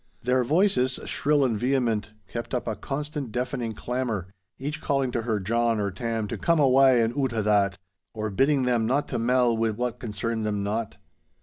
Their voices, shrill and vehement, kept up a constant deafening clamour, each calling to her John or Tam to 'come awa' in oot o' that,' or bidding them 'not to mell wi' what concerned them not.